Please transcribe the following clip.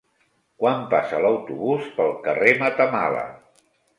Quan passa l'autobús pel carrer Matamala?